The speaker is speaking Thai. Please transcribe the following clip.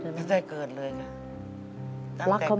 แต่ที่แม่ก็รักลูกมากทั้งสองคน